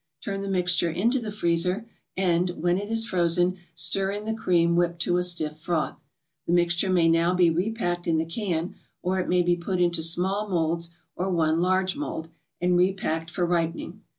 Turn the mixture into the freezer, and, when it is frozen, stir in the cream whipped to a stiff froth. The mixture may now be repacked in the can, or it may be put into small molds or one large mold, and repacked for ripening.